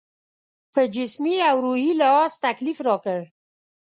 په جسمي او روحي لحاظ تکلیف راکړ.